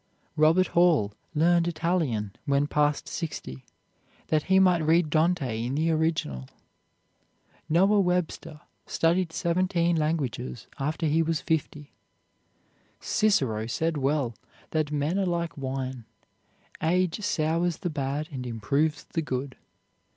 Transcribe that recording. Robert Hall learned Italian when past sixty, that he might read Dante in the original. Noah Webster studied seventeen languages after he was fifty. Cicero said well that men are like wine: age sours the bad and improves the good.